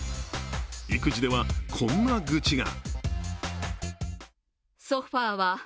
育児では、こんな愚痴が。